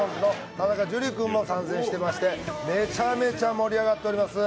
田中樹君も参戦していまして、めちゃめちゃ盛り上がっております。